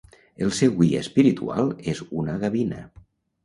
El seu guia espiritual és una gavina.